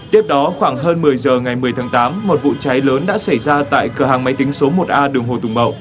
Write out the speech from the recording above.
tiếp đó khoảng hơn một mươi giờ ngày một mươi tháng tám một vụ cháy lớn đã xảy ra tại cửa hàng máy tính số một a đường hồ tùng mậu